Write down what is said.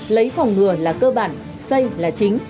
lấy phòng ngừa là cơ bản xây là chính